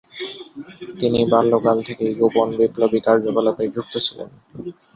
তিনি বাল্যকাল থেকেই গোপন বিপ্লবী কার্যকলাপে যুক্ত ছিলেন।